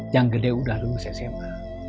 yang gede udah lulus sma